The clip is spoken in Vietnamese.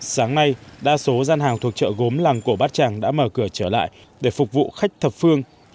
sáng nay đa số gian hàng thuộc chợ gốm làng cổ bát tràng đã mở cửa trở lại để phục vụ khách thập phương